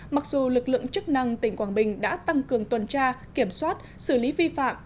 mặc dù lực lượng chức năng tỉnh quảng bình đã tăng cường tuần tra kiểm soát xử lý vi phạm